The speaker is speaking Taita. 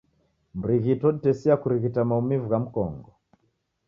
Mrighiti woditesia kurighita maumivu gha mkongo.